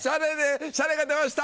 シャレがどうした！